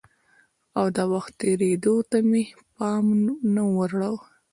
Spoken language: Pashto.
او د وخت تېرېدو ته مې پام نه وراوړي؟